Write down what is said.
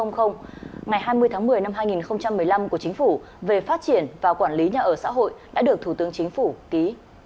ngày hai mươi tháng một mươi năm hai nghìn một mươi năm của chính phủ về phát triển và quản lý nhà ở xã hội đã được thủ tướng chính phủ ký